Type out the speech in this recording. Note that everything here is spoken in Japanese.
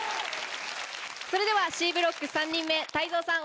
それではＣブロック３人目泰造さん